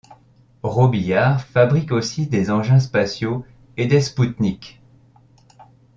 Robillard fabrique aussi des engins spatiaux et des spoutniks.